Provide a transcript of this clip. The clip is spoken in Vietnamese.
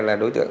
là đối tượng